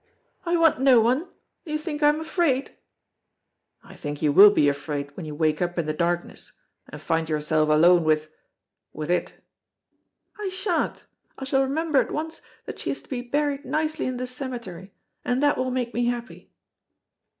"I want no one. Do you think I am afraid?" "I think you will be afraid when you wake up in the darkness, and find yourself alone with with it." "I sha'n't, I shall remember at once that she is to be buried nicely in the cemetery, and that will make me happy."